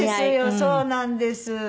そうなんです。